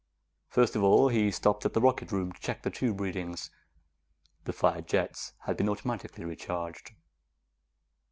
First of all, he stopped at the rocket room to check the tube readings. The fired jets had been automatically recharged.